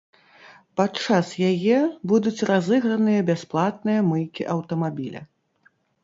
Падчас яе будуць разыграныя бясплатныя мыйкі аўтамабіля.